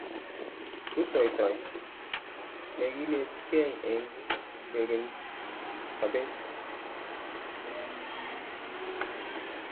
Rutoiyo ne kinetigei eng' kwekeny sobet